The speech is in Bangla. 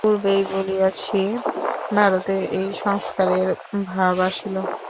পূর্বেই বলিয়াছি, ভারতে এই সংস্কারের ভাব আসিল।